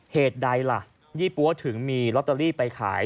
เหตุใดล่ะยี่ปั๊วถึงมีลอตเตอรี่ไปขาย